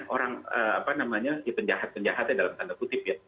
orang apa namanya si penjahat penjahatnya dalam tanda kutip ya